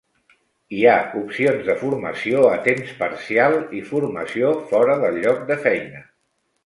Hi ha opcions de formació a temps parcial i formació fora del lloc de feina.